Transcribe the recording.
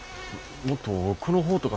もっと奥の方とか。